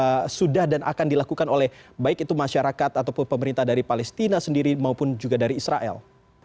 apakah sudah dan akan dilakukan oleh baik itu masyarakat ataupun pemerintah dari palestina sendiri maupun juga dari israel